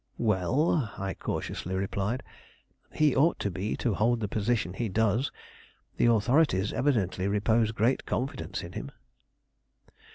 "Well," I cautiously replied, "he ought to be to hold the position he does. The authorities evidently repose great confidence in him."